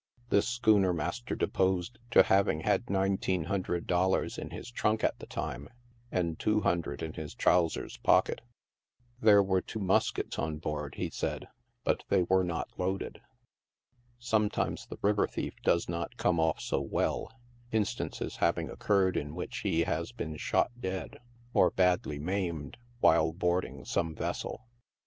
This schooner master deposed to having had $1,900 in his trunk at the time, and $200 in his trou rers pocket. There were two muskets on board, he said, but they were not loaded. Sometimes the river thief does not come ofF so well, instances having occurred in which he has been shot dead, or badly maimed, while boarding some vessel.